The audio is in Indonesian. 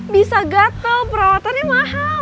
bisa gatel perawatannya mahal